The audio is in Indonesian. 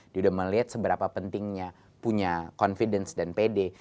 dia sudah melihat seberapa pentingnya punya confidence dan pede